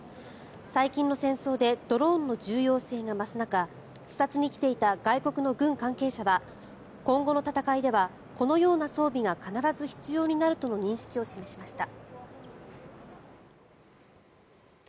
最近の戦争でドローンの重要性が増す中視察に来ていた外国の軍関係者は今後の戦いではこのような装備が必ず必要になるとの認識を示しました。